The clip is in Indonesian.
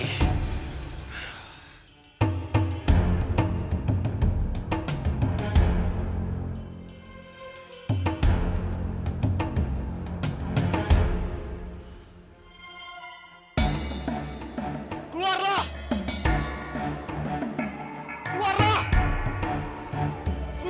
hanya kara presiden